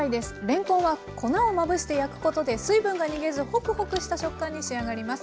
れんこんは粉をまぶして焼くことで水分が逃げずホクホクした食感に仕上がります。